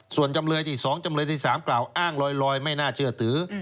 ส่วนจำเลยที่๒จำเลยที่๓กล่าวอ้างลอยไม่น่าเชื่อถือ